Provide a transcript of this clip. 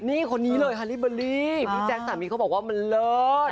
นี่คนนี้เลยฮาลิเบอร์รี่พี่แจ๊คสามีเขาบอกว่ามันเลิศ